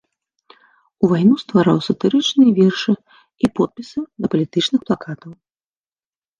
У вайну ствараў сатырычныя вершы і подпісы да палітычных плакатаў.